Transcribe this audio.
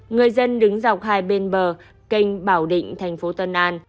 người dân đứng dọc hai bên bờ kênh bảo định thành phố tân an